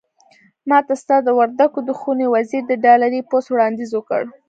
ماته ستا د وردګو د ښوونې وزير د ډالري پست وړانديز وکړ.